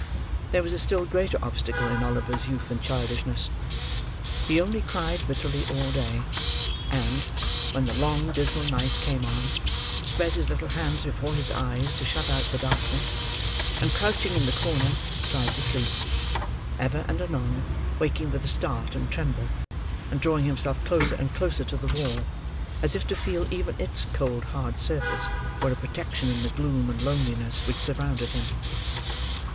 There was a still greater obstacle in Oliver's youth and childishness. He only cried bitterly all day; and, when the long, dismal night came on, spread his little hands before his eyes to shut out the darkness, and crouching in the corner, tried to sleep: ever and anon waking with a start and tremble, and drawing himself closer and closer to the wall, as if to feel even its cold hard surface were a protection in the gloom and loneliness which surrounded him.